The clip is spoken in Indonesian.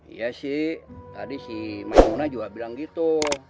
iya sih tadi si mak muna juga bilang gitu